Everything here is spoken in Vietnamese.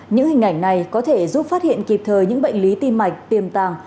những hình ảnh này có thể giúp phát hiện kịp thời những bệnh lý tim mạch tiềm tàng